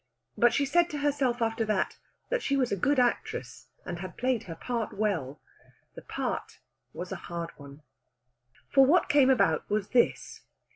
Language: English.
But she said to herself after that, that she was a good actress, and had played her part well. The part was a hard one. For what came about was this.